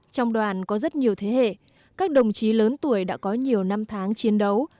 trong đoàn có rất nhiều thế hệ các đồng chí lớn tuổi đã có nhiều năm tháng chiến đấu